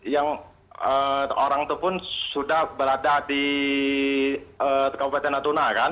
yang orang itu pun sudah berada di kabupaten natuna kan